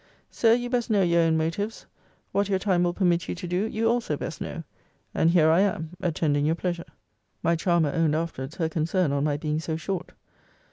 Sir, you best know your own motives. What your time will permit you to do, you also best know. And here I am, attending your pleasure. My charmer owned afterwards her concern on my being so short.